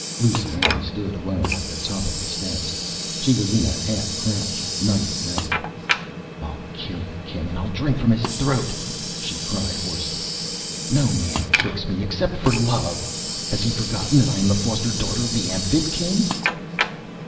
Lusine stood alone at the top of the steps. She was in a half crouch, knife ready. "I'll kill the King and I'll drink from his throat!" she cried hoarsely. "No man kicks me except for love. Has he forgotten that I am the foster daughter of the Amphib King?"